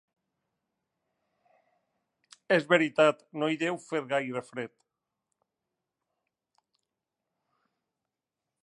És veritat, no hi deu fer gaire fred.